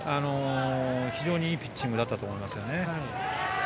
非常にいいピッチングだったと思いますね。